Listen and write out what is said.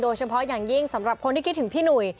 โดยเฉพาะอย่างยิ่งสำหรับคนที่คิดถึงพี่หนุ่ย